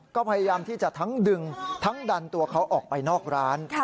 ก็พยายามที่จะทั้งดึงทั้งดันตัวเขาออกไปนอกร้าน